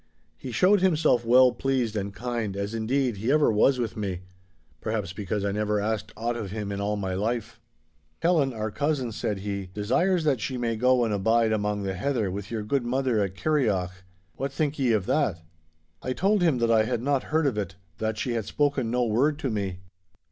He showed himself well pleased and kind, as, indeed, he ever was with me—perhaps because I never asked aught of him in all my life. 'Helen, our cousin,' said he, 'desires that she may go and bide among the heather with your good mother at Kirrieoch. What think ye of that?' I told him that I had not heard of it—that she had spoken no word to me.